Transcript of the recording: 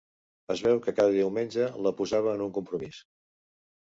Es veu que cada diumenge la posava en un compromís.